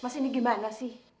mas ini gimana sih